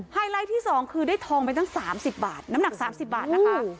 ไลท์ที่๒คือได้ทองไปตั้ง๓๐บาทน้ำหนัก๓๐บาทนะคะ